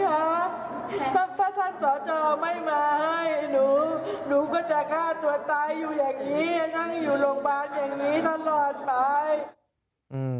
หนูก็จะฆ่าตัวตายอยู่อย่างนี้นั่งอยู่โรงพยาบาลอย่างนี้ตลอดไป